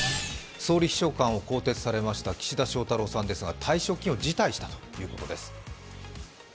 総理秘書官を更迭されました岸田翔太郎さんですが退職金を辞退したということです。